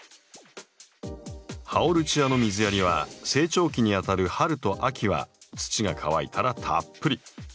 ハオルチアの水やりは成長期にあたる春と秋は土が乾いたらたっぷり。